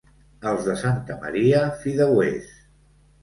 Els de Santa Maria, fideuers.